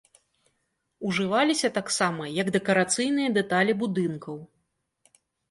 Ужываліся таксама як дэкарацыйныя дэталі будынкаў.